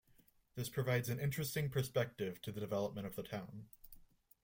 This provides an interesting perspective to the development of the town.